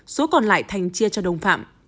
số còn lại thành chia cho đồng phạm